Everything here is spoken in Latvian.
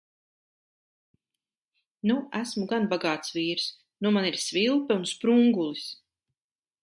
Nu esmu gan bagāts vīrs. Nu man ir svilpe un sprungulis!